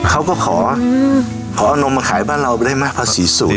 เขาก็ขอเอานมมาขายบ้านเราไปได้ไหมภาษีสูง